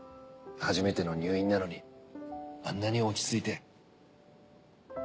初めての入院なのにあんなに落ち着いて。